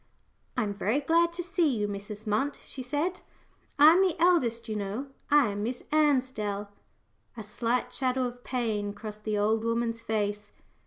"I am very glad to see you, Mrs. Munt," she said. "I am the eldest, you know. I am Miss Ansdell." A slight shadow of pain crossed the old woman's face.